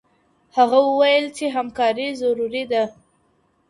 هغه وويل چي همکاري ضروري ده.